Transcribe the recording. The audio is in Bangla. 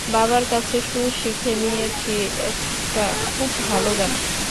বাবার কাছে সুর শিখে নিয়েছি একটা খুব ভালো গানের।